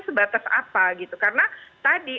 sebatas apa karena tadi